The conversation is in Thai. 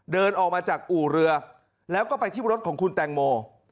เดินออกมาจากอู่เรือแล้วก็ไปที่รถของคุณแตงโม